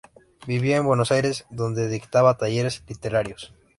Vivía en Buenos Aires, donde dictaba talleres literarios.